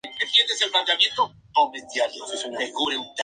New Lifestyle for Super Good Health.